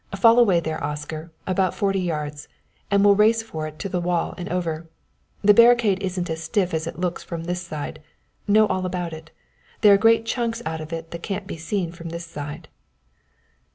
Fall away there, Oscar, about forty yards, and we'll race for it to the wall and over. That barricade isn't as stiff as it looks from this side know all about it. There are great chunks out of it that can't be seen from this side."